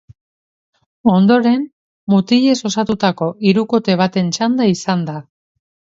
Ondoren, mutilez osatutako hirukote baten txanda izan da.